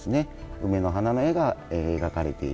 梅の花の絵が描かれている。